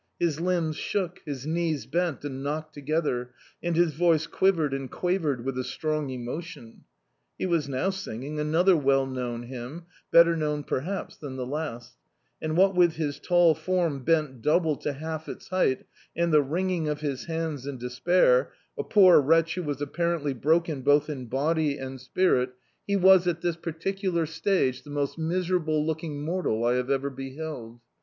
His limt^ shook, his knees bent and knocked together, and his voice quivered and quavered with a strong emotion. He was now singing another well known hymn, better known perhaps than the last; and what with his tall form bent double to half its height, and the wringing of his bands in despair — a poor wretch who was apparently broken both in body and spirit [333I Dictzed by Google The Autobiography of a Super Tramp — he was, at this particular stage, the most mis erable looking mortal I have ever beheld.